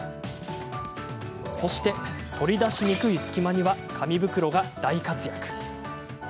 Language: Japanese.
そして、取り出しにくい隙間には紙袋が大活躍。